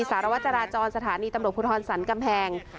สารวจราจรสถานีตำรวจภูทรสันกำแพง